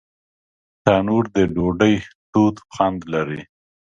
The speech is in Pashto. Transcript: تنور د ډوډۍ تود خوند لري